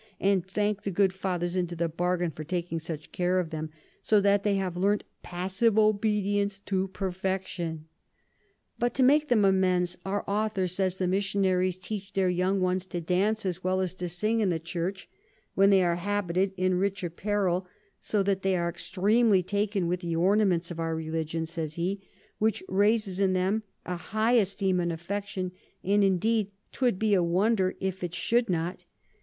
_ and thank the good Fathers into the bargain for taking such care of 'em; so that they have learnt Passive Obedience to perfection. But to make them amends, our Author says the Missionaries teach their young ones to dance as well as to sing in the Church, when they are habited in rich Apparel: so that they are extremely taken with the Ornaments of our Religion, says he, which raises in them a high Esteem and Affection; and indeed 'twould be a wonder if it should not.